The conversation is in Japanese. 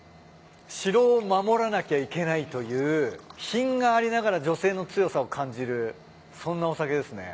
城を守らなきゃいけないという品がありながら女性の強さを感じるそんなお酒ですね。